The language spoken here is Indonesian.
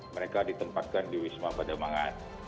mereka ditempatkan di wisma pademangan